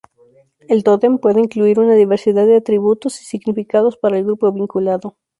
El tótem puede incluir una diversidad de atributos y significados para el grupo vinculado.